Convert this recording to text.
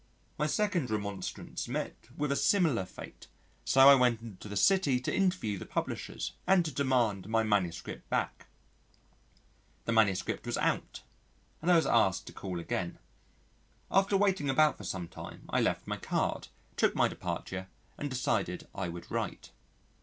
My second remonstrance met with a similar fate, so I went into the city to interview the publishers, and to demand my manuscript back. The manager was out, and I was asked to call again. After waiting about for some time, I left my card, took my departure and decided I would write.